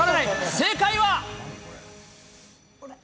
正解は。